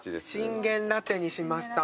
信玄ラテにしました。